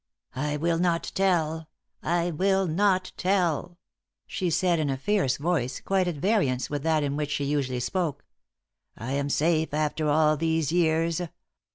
"I will not tell I will not tell!" she said, in a fierce voice, quite at variance with that in which she usually spoke. "I am safe after all these years!